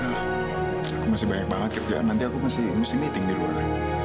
aku masih banyak banget kerjaan nanti aku masih meeting di luar